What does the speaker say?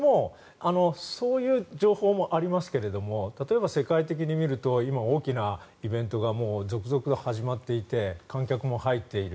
そういう情報もありますが例えば世界的に見ると今、大きなイベントが続々始まっていて観客も入っている。